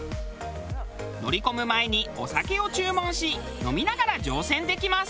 乗り込む前にお酒を注文し飲みながら乗船できます。